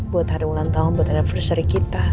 buat hari ulang tahun buat refluencery kita